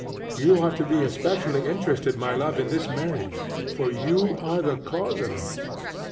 You ought to be especially interested, my love, in this marriage, for you are the cause of it.